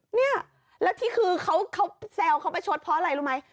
เนี่ยแล้วที่คือเขาแซวเขาประชดเพราะอะไรรู้ไหม